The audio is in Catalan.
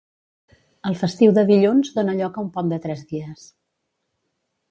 El festiu de dilluns dona lloc a un pont de tres dies.